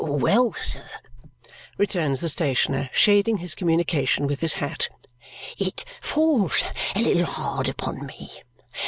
"Well, sir," returns the stationer, shading his communication with his hat, "it falls a little hard upon me.